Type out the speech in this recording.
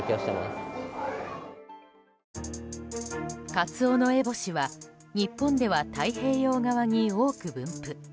カツオノエボシは日本では太平洋側に多く分布。